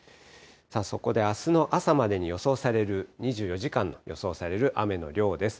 そこであすの朝までに予想される、２４時間に予想される雨の量です。